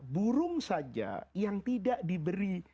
burung saja yang tidak diberi